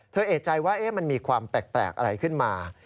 เอกใจว่ามันมีความแปลกอะไรขึ้นมา